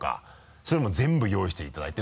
そういうもの全部用意していただいて。